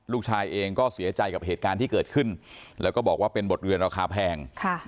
ลูกชายเองก็เสียใจกับเหตุการณ์ที่เกิดขึ้นแล้วก็บอกว่าเป็นบทเรียนราคาแพง